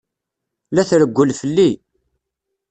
La trewwel fell-i.